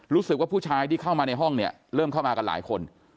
รู้สึกว่าผู้ชายที่เข้ามาในห้องเนี่ยเริ่มเข้ามากันหลายคน